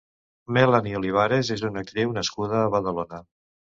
Melani Olivares és una actriu nascuda a Badalona.